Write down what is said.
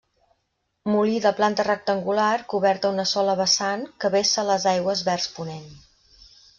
Molí de planta rectangular cobert a una sola vessant que vessa les aigües vers ponent.